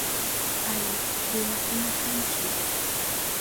Ali runakuna kanchi.